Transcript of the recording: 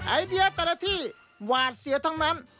ไอเดียแต่ละที่หวาดเสียทั้งนั้น